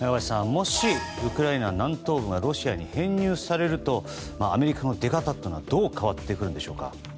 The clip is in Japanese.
もしウクライナ南東部がロシアに編入されるとアメリカの出方というのはどう変わってくるんでしょうか。